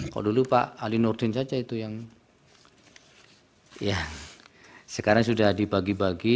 kalau dulu pak ali nurdin saja itu yang ya sekarang sudah dibagi bagi